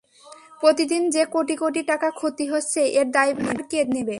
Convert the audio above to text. প্রতিদিন যে কোটি কোটি টাকা ক্ষতি হচ্ছে, এর দায়ভার কে নেবে।